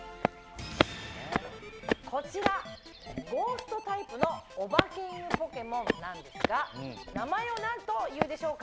こちらゴーストタイプのおばけいぬポケモンなんですが名前を何というでしょうか？